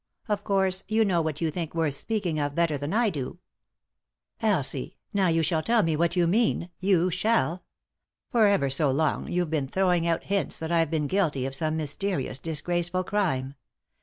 Of course, you know what you think worth speaking of better than I do !"" Elsie, now you shall tell me what you mean — you shall. For ever so long you've been throwing out hints that I've been guilty of some mysterious, disgraceful crime.